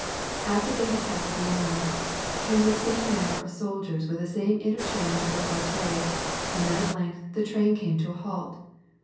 After they had passed beyond, came the same manner of soldiers with the same interchange of repartee and then at length the train came to a halt.